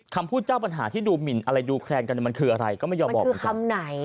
คำพูดเจ้าปัญหาที่ดูหมินอะไรดูแคลนกันมันคืออะไรก็ไม่ยอมบอกเหมือนกันคำไหน